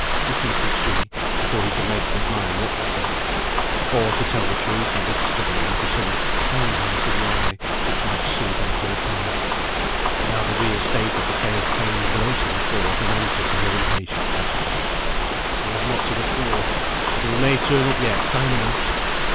repeated she, before he could make up his mind what to say; for, to tell the truth, he was studying for some kind hearted lie which might soothe her for a time. But now the real state of the case came blurting forth in answer to her impatient questioning. "Will's not to the fore. But he'll may be turn up yet, time enough."